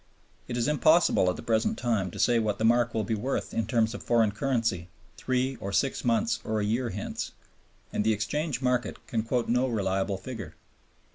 It is impossible at the present time to say what the mark will be worth in terms of foreign currency three or six months or a year hence, and the exchange market can quote no reliable figure.